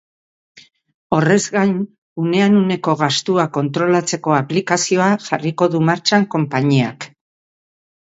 Horrez gain, unean uneko gastua kontrolatzeko aplikazioa jarriko du martxan konpainiak.